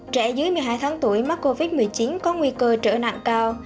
trẻ dưới một mươi hai tháng tuổi mắc covid một mươi chín có nguy cơ trở nặng cao